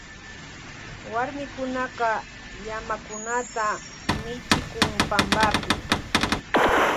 Warmikunaka llamakunata michikun pampapi.